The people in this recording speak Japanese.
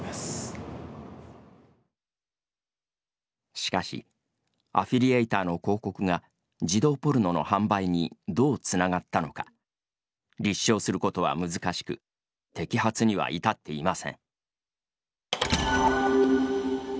しかしアフィリエイターの広告が児童ポルノの販売にどうつながったのか立証することは難しく摘発には至っていません。